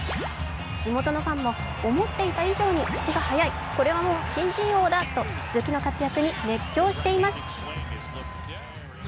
地元のファンも、思っていた以上に足が速い、これはもう新人王だと鈴木の活躍に熱狂しています。